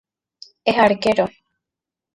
Es Arquero.